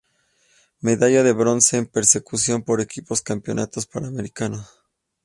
Medalla de bronce en persecución por equipos campeonatos panamericanos.